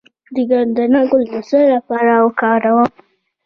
د ګندنه ګل د څه لپاره وکاروم؟